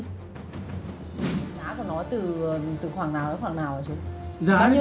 giá của nó từ khoảng nào đến khoảng nào hả chú